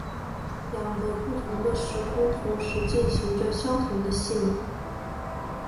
两个不同的时空同时进行着相同的戏码。